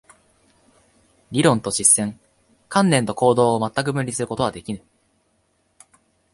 理論と実践、観念と行動を全く分離することはできぬ。